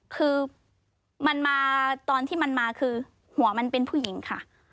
คือมันมาตอนที่มันมาคือหัวมันเป็นผู้หญิงค่ะ